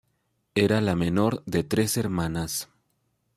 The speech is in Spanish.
Era la menor de tres hermanas.